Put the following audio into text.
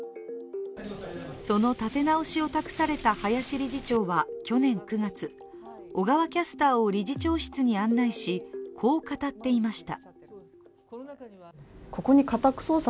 その立て直しを託された林理事長は去年９月小川キャスターを理事長室に案内しこう語っていました。